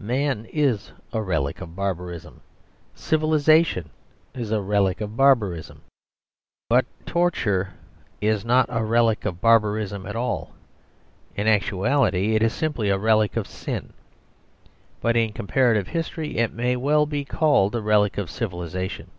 Man is a relic of barbarism. Civilisation is a relic of barbarism. But torture is not a relic of barbarism at all. In actuality it is simply a relic of sin; but in comparative history it may well be called a relic of civilisation.